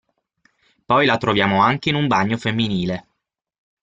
Poi la troviamo anche in un bagno femminile.